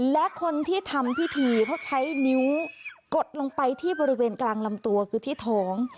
และคนที่ทำพิธีเขาใช้นิ้วกดลงไปที่บริเวณกลางลำตัวคือที่ท้อง